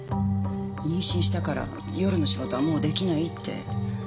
妊娠したから夜の仕事はもう出来ないって。